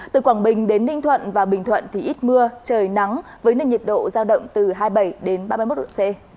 từ quảng bình đến ninh thuận và bình thuận thì ít mưa trời nắng với nền nhiệt độ giao động từ hai mươi bảy đến ba mươi một độ c